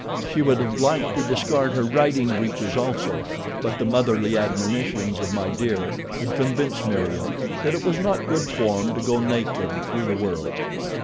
She would have liked to discard her riding breeches also, but the motherly admonitions of My Dear had convinced Meriem that it was not good form to go naked through the world.